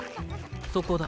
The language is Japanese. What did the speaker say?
そこだ。